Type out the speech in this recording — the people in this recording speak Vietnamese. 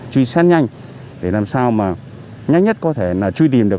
truy xét nhanh để làm sao mà nhanh nhất có thể là truy tìm được